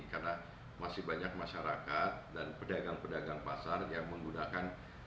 karena masih banyak masyarakat dan pedagang pedagang pasar yang menggunakan